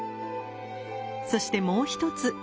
そしてもう一つ。